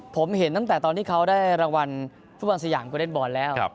ผมเห็นตั้งแต่ตอนที่เขาได้รางวัลฟุตบอลสยามก็เล่นบอลแล้ว